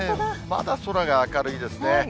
まだ空が明るいですね。